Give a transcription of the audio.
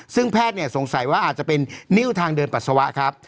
ซึ่งแพทย์สงสัยว่าอาจจะเป็นนิ้วทางเดินปัสสาวะครับ